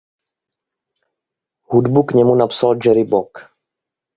Hudbu k němu napsal Jerry Bock.